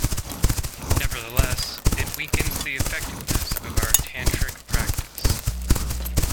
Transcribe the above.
Nevertheless, it weakens the effectiveness of our tantric practice.